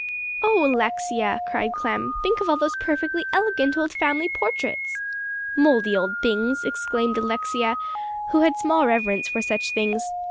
"Oh, Alexia," cried Clem, "think of all those perfectly elegant old family portraits!" "Mouldy old things!" exclaimed Alexia, who had small reverence for such things.